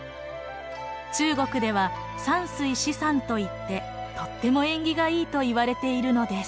中国では「山水四山」といってとっても縁起がいいといわれているのです。